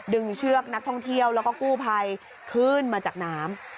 เชือกนักท่องเที่ยวแล้วก็กู้ภัยขึ้นมาจากน้ำ